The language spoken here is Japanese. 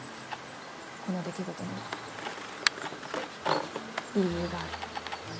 この出来事には理由がある。